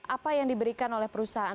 apa yang diberikan oleh perusahaan